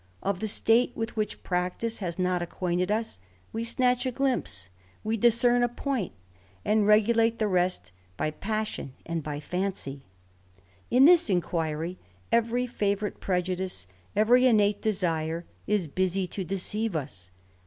Of the state with which practice has not acquainted us we snatch a glimpse, we discern a point, and regulate the rest by passion, and by fancy. In this inquiry every favourite prejudice, every innate desire, is busy to deceive us.